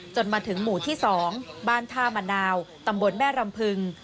จนถึงหมู่ที่๒บ้านท่ามะนาวตำบลแม่รำพึง